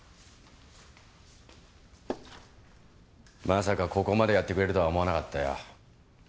まさかここまでやってくれるとは思わなかったよ。